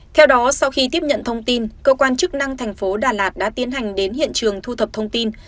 theo đó sau khi tiếp nhận thông tin cơ quan chức năng thành phố đà lạt đã tiến hành đến hiện trường thu thập thông tin